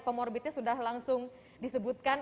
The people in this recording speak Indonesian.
comorbidnya sudah langsung disebutkan